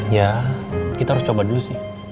ya kita harus coba dulu sih